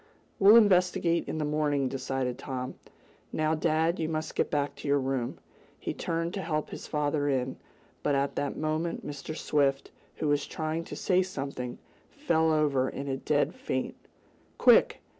"We'll investigate in the morning," decided Tom. "Now, dad, you must get back to your room." He turned to help his father in, but at that moment Mr. Swift, who was trying to say something, fell over in a dead faint. "Quick!